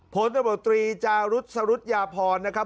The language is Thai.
โพธิบัตรีจารุศรุษยาพรนะครับ